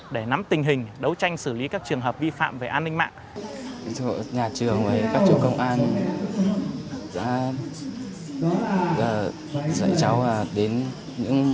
để nắm tình hình đấu tranh xử lý các trường hợp vi phạm về an ninh mạng